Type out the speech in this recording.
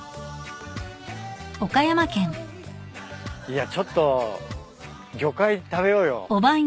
いやちょっと魚介食べようよ。